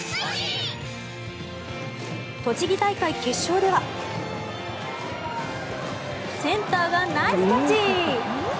栃木大会決勝ではセンターがナイスキャッチ。